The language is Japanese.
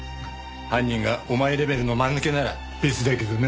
犯人がお前レベルの間抜けなら別だけどな。